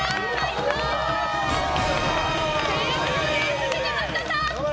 続いて松田さん。